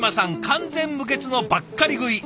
完全無欠のばっかり食い。